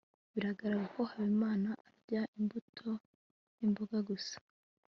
bigaragara ko habimana arya imbuto n'imboga gusa